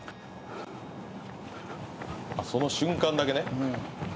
「その瞬間だけね」